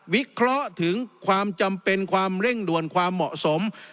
วิเคราะห์ถึงความจำเป็นความเร่งด่วนความเหมาะสม